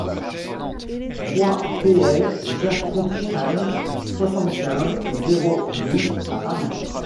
trois pL GERTRUDE STEIN, soixante-quinze, zéro douze à Paris